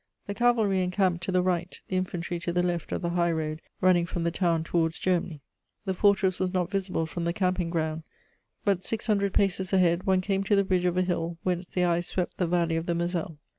The cavalry encamped to the right, the infantry to the left of the high road running from the town towards Germany. The fortress was not visible from the camping ground, but, six hundred paces ahead, one came to the ridge of a hill whence the eye swept the Valley of the Moselle.